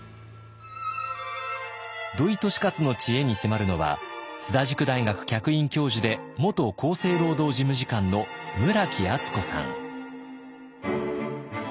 土井利勝の知恵に迫るのは津田塾大学客員教授で元・厚生労働事務次官の村木厚子さん。